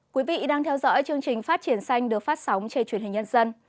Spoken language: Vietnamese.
quý vị đang theo dõi chương trình phát triển xanh được phát sóng trên truyền hình nhân dân